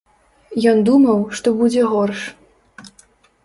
Ён думаў, што будзе горш.